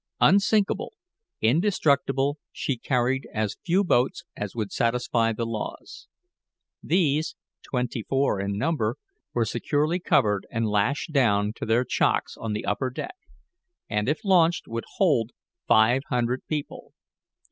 Unsinkable indestructible, she carried as few boats as would satisfy the laws. These, twenty four in number, were securely covered and lashed down to their chocks on the upper deck, and if launched would hold five hundred people.